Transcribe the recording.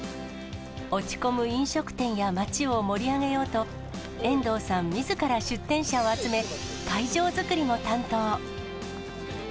落ち込む飲食店や町を盛り上げようと、遠藤さんみずから出店者を集め、会場作りを担当。